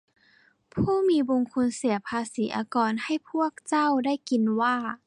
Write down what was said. ผู้มีบุญคุณเสียภาษีอากรให้พวกเจ้าได้กินว่า